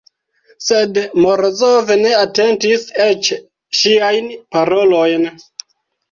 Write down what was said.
Sed Morozov ne atentis eĉ ŝiajn parolojn.